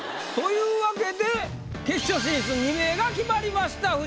というわけで決勝進出２名が決まりました。